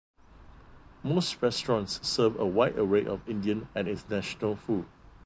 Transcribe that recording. Most restaurants serve a wide array of Indian and International food.